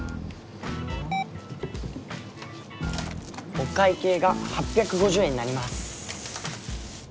お会計が８５０円になります。